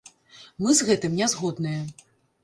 Мы з гэтым не згодныя!